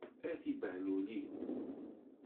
A tibehlulin!